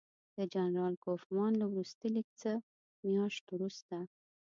د جنرال کوفمان له وروستي لیک څه میاشت وروسته.